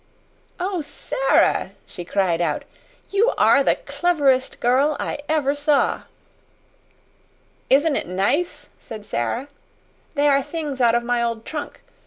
"Oh, Sara!" she cried out. "You are the cleverest girl I ever saw!" "Isn't it nice?" said Sara. "They are things out of my old trunk.